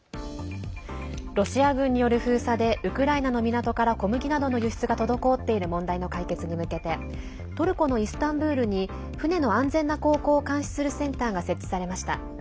ロシア軍による封鎖でウクライナの港から小麦などの輸出が滞っている問題の解決に向けてトルコのイスタンブールに船の安全な航行を監視するセンターが設置されました。